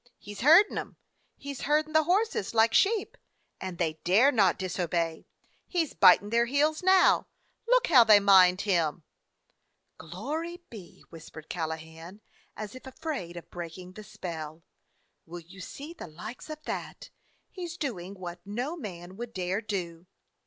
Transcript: He 's herdin' them ! He 's herdin' the horses like sheep, and they dare not disobey. He 's bitin' their heels now. Look how they mind him!" "Glory be!" whispered Callahan, as if afraid of breaking the spell. "Will you see the likes of that ! He 's doing what no man would dare do!"